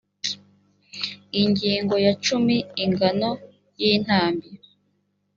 ingingo ya cumi ingano y intambi